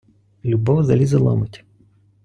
Любов залізо ломить.